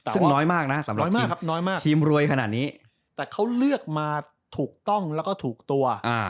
ซึ่งน้อยมากนะสำหรับทีมรวยขนาดนี้แต่เขาเลือกมาถูกต้องแล้วก็ถูกตัว